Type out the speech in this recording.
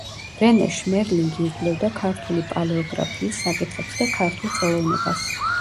რენე შმერლინგი იკვლევდა ქართული პალეოგრაფიის საკითხებს და ქართულ ხელოვნებას.